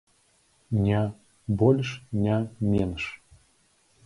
Не больш, не менш.